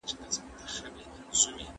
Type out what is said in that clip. علامه بابا تر مرګه پوري د خپلو لاس کښلو قلمي